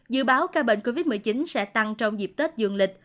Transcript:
dự báo ca bệnh covid một mươi chín sẽ tăng trong dịp tết dương lịch